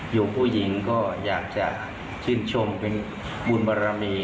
อยู่ผู้หญิงก็อยากจะชื่นชมเป็นบุญบารมี